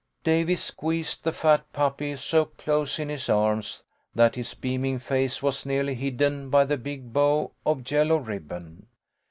Davy squeezed the fat puppy so close in his arms that his beaming face was nearly hidden by the big bow of yellow ribbon.